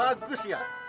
oh bagus ya